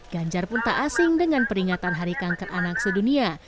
ganjar pun tak asing dengan peringatan hari kanker anak sedunia